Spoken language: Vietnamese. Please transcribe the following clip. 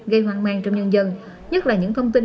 gây hoang mang trong nhân dân nhất là những thông tin